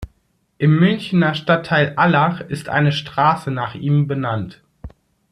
Im Münchner Stadtteil Allach ist eine Straße nach ihm benannt.